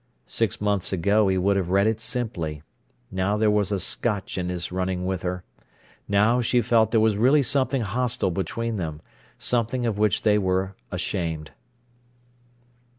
Six months ago he would have read it simply. Now there was a scotch in his running with her. Now she felt there was really something hostile between them, something of which they were ashamed.